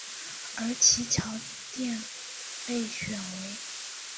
而其桥殿被选为。